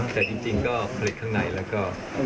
แต่จริงก็ผลิตข้างในแล้วก็